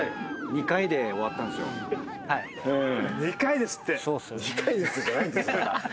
２回ですって。